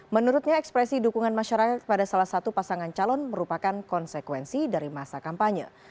menurutnya ekspresi dukungan masyarakat pada salah satu pasangan calon merupakan konsekuensi dari masa kampanye